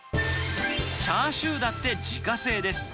チャーシューだって自家製です。